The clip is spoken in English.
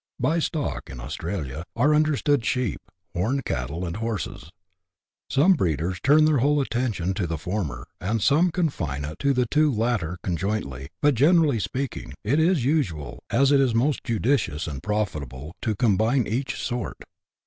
By stock, in Australia, are understood sheep, horned cattle, and horses ; some breeders turn their whole atten tion to the former, and some confine it to the two latter con jointly, but, generally speaking, it is usual, as it is most judicious and profitable, to combine each sort.